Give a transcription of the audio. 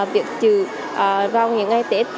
việc chữ vào những ngày tết